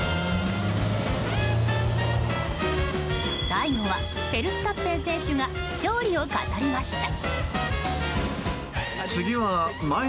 最後はフェルスタッペン選手が勝利を飾りました。